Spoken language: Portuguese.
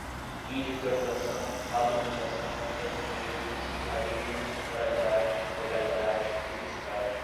individualização, padronização, restringidos, irradiam, moralidade, legalidade, publicidade